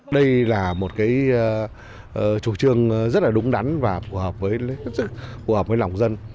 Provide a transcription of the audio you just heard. đây là một cái chủ trương rất là đúng đắn và phù hợp với lòng dân